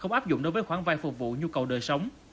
không áp dụng đối với khoản vay phục vụ nhu cầu đời sống